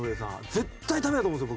絶対ダメだと思うんですよ